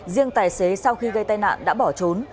riêng tài xế sau khi gây tai nạn đã bỏ trốn